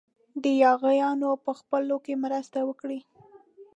د یاغیانو په ځپلو کې مرسته وکړي.